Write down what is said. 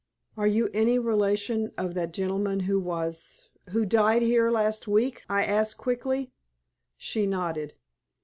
"Are you any relation of the gentleman who was who died here last week?" I asked, quickly. She nodded.